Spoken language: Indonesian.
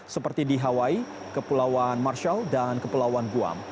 seperti di hawaii kepulauan marshall dan kepulauan guam